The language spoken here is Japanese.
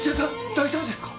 大丈夫ですか？